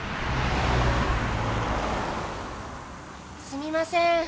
すみません